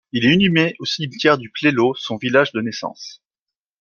Il est inhumé au cimetière de Plélo, son village de naissance.